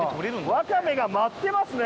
わかめが舞ってますね！